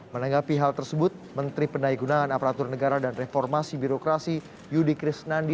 menanggapi hal tersebut menteri pendayagunaan aparatur negara dan reformasi birokrasi yudi kirstenandi